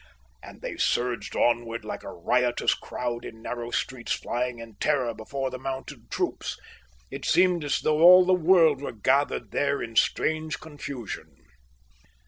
And they surged onward like a riotous crowd in narrow streets flying in terror before the mounted troops. It seemed as though all the world were gathered there in strange confusion.